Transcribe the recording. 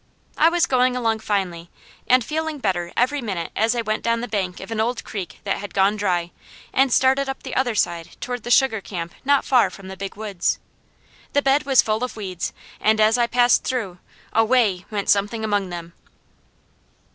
I was going along finely, and feeling better every minute as I went down the bank of an old creek that had gone dry, and started up the other side toward the sugar camp not far from the Big Woods. The bed was full of weeds and as I passed through, away! went Something among them.